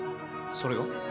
それが？